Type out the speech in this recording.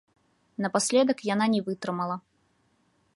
Напаследак яна не вытрымала.